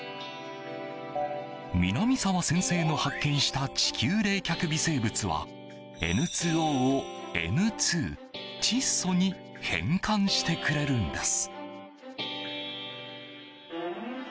南澤先生の発見した地球冷却微生物はＮ２ＯをＮ２・窒素に変換してくれるんです。